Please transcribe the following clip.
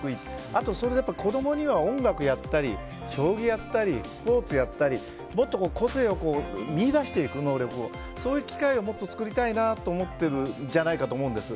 あと、子供には音楽やったり将棋やったり、スポーツやったりもっと個性を見いだしていく能力をそういう機会をもっと作りたいなと思ってるんじゃないかと思うんです。